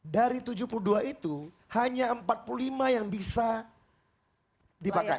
dari tujuh puluh dua itu hanya empat puluh lima yang bisa dipakai